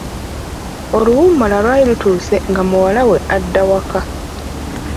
Oluwummula lwali lutuuse nga muwala we adda waka.